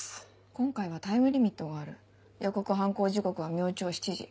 今回はタイムリミットがある予告犯行時刻は明朝７時。